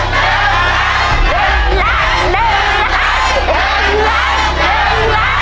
ใจใจใจใจใจใจใจใจใจใจ